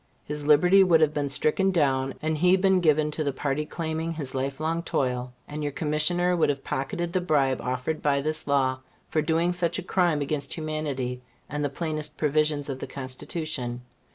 His liberty would have been stricken down, and he been given to the party claiming his life long toil, and your Commissioner would have pocketed the bribe offered by this law for doing such a crime against humanity and the plainest provisions of the Constitution.